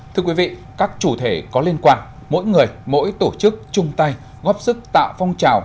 thưa quý vị các chủ thể có liên quan mỗi người mỗi tổ chức chung tay góp sức tạo phong trào